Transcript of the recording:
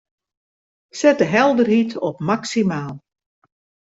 Set de helderheid op maksimaal.